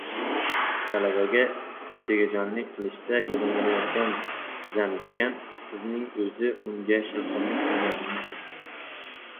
Talabaga tegajog‘lik qilishda gumonlanayotgan «zamdekan» qizning o‘zi unga shilqimlik qilganini aytdi